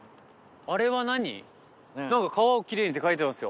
何か「川をきれいに」って書いてますよ。